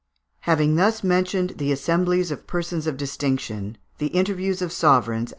Having thus mentioned the assemblies of persons of distinction, the interviews of sovereigns (Fig.